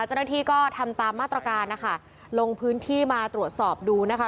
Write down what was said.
เจ้าหน้าที่ก็ทำตามมาตรการนะคะลงพื้นที่มาตรวจสอบดูนะคะ